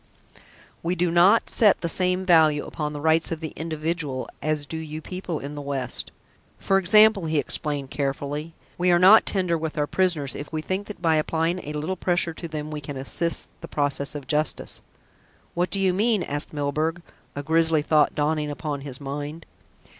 "We do not set the same value upon the rights of the individual as do you people in the West. For example," he explained carefully, "we are not tender with our prisoners, if we think that by applying a little pressure to them we can assist the process of justice." "What do you mean?" asked Milburgh, a grisly thought dawning upon his mind.